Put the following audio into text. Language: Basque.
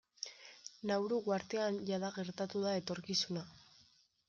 Nauru uhartean jada gertatu da etorkizuna.